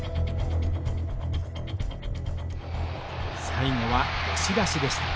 最後は押し出しでした。